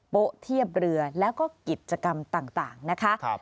เทียบเรือแล้วก็กิจกรรมต่างนะคะ